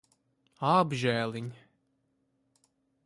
Apžēliņ.